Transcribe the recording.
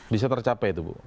bisa tercapai itu bu